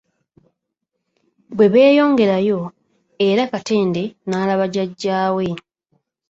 Bwe beeyongerayo era Katende n'alaba jjajja we.